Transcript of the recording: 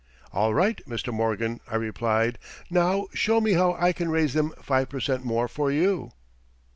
"All right, Mr. Morgan," I replied; "now show me how I can raise them five per cent more for you."